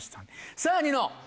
さぁニノ。